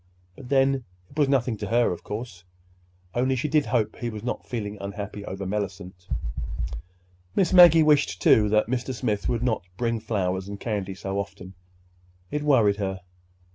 But then, it was nothing to her, of course—only she did hope he was not feeling unhappy over Mellicent! Miss Maggie wished, too, that Mr. Smith would not bring flowers and candy so often. It worried her.